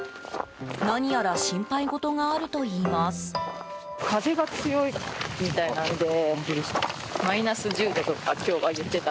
何やら心配事があるといいます。